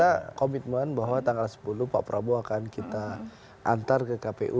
kita komitmen bahwa tanggal sepuluh pak prabowo akan kita antar ke kpu